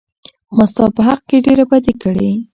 ما ستا په حق کې ډېره بدي کړى.